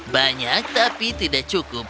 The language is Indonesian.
banyak tapi tidak cukup